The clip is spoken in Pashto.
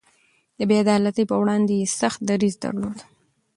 د بې عدالتۍ پر وړاندې يې سخت دريځ درلود.